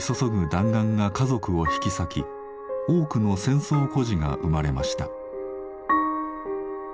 弾丸が家族を引き裂き多くの戦争孤児が生まれました。